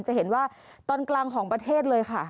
จะเห็นว่าตอนกลางของประเทศเลยค่ะ